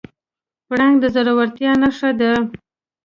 پړانګ د زړورتیا نښه ده.